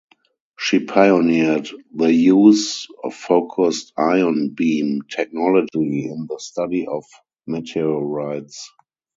She pioneered the use of focused ion beam technology in the study of meteorites.